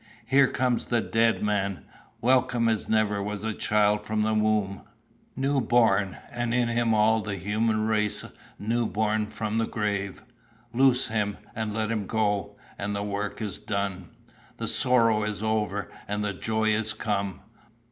Here comes the dead man, welcome as never was child from the womb new born, and in him all the human race new born from the grave! 'Loose him and let him go,' and the work is done. The sorrow is over, and the joy is come.